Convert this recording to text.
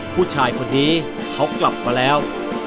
ผู้ชายคนนี้เขากลับมาแล้ว